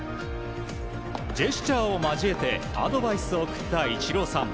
ジェスチャーを交えてアドバイスを送ったイチローさん。